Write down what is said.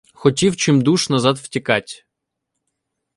Хотів чимдуж назад втікать.